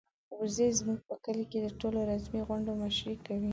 وزې زموږ په کور کې د ټولو رسمي غونډو مشري کوي.